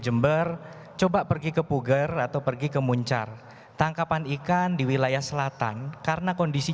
jember coba pergi ke puger atau pergi ke muncar tangkapan ikan di wilayah selatan karena kondisi